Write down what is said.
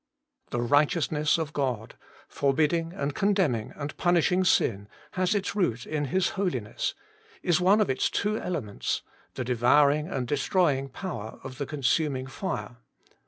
The Eighteousness of God, for bidding and condemning and punishing sin, has its THE HOLY ONE OF ISRAEL. 103 root in His Holiness, is one of its two elements the devouring and destroying power of the con suming fire.